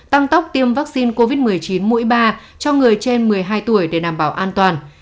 tăng tốc tiêm vaccine covid một mươi chín mũi ba cho người trên một mươi hai tuổi để đảm bảo an toàn